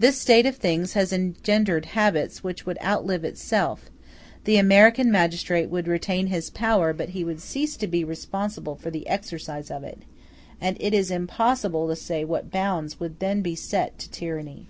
This state of things has engendered habits which would outlive itself; the American magistrate would retain his power, but he would cease to be responsible for the exercise of it; and it is impossible to say what bounds could then be set to tyranny.